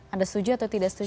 anda setuju atau tidak setuju